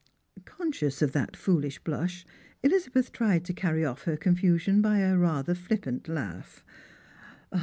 Conscious of that foolish blush, Elizabeth tried to carry o.'T her confusion by a rather flippant laugh.